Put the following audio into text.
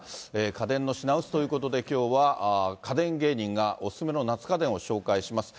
家電の品薄ということで、きょうは家電芸人がおすすめの夏家電を紹介します。